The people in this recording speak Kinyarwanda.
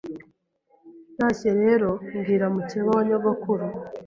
Ntashye rero mbwira mukeba wa nyogukuru